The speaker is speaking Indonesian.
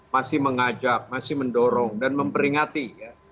masih mengajak masih mendorong dan memperingati ya